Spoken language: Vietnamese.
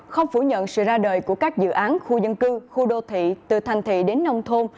không phủ nhận sự ra đời của các dự án khu dân cư khu đô thị từ thành thị đến nông thôn